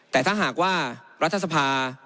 แต่ถ้าหากว่ารัฐสภา